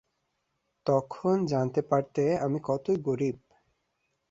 তখন জানতে পারতে আমি কতই গরিব।